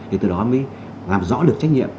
thì từ đó mới làm rõ được trách nhiệm